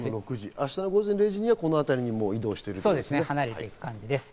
明日の午前０時にはこのあたりに移動しているんですね。